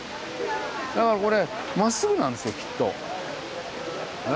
だからこれまっすぐなんですよきっと。